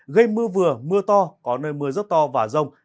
gây mưa vừa mưa to có nơi mưa rất to và rông